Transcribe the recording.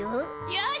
よし！